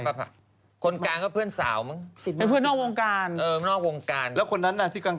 รูปเมื่อกี้เมื่อกี้ติดมาก